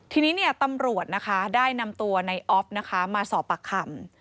ทีนี้ตำรวจได้นำตัวนายอ๊อฟมาสอบปากคำ